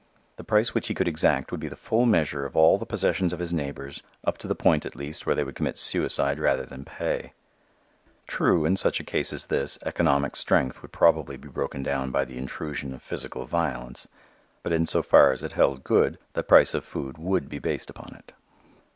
The price which he could exact would be the full measure of all the possessions of his neighbors up to the point at least where they would commit suicide rather than pay. True, in such a case as this, "economic strength" would probably be broken down by the intrusion of physical violence. But in so far as it held good the price of food would be based upon it.